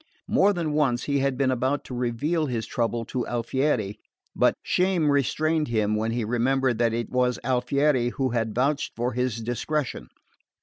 More than once he had been about to reveal his trouble to Alfieri; but shame restrained him when he remembered that it was Alfieri who had vouched for his discretion.